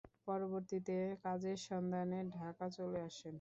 পরবর্তীতে কাজের সন্ধানে ঢাকা চলে আসেন।